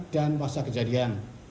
dan masa kejadian